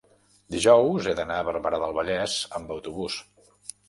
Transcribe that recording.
dijous he d'anar a Barberà del Vallès amb autobús.